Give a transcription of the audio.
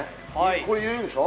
これ入れるんでしょ？